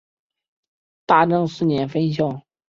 大正四年分校。